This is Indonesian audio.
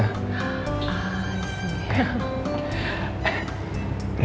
ah di sini